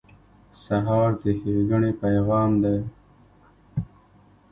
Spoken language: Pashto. سهار د ښېګڼې پیغام دی.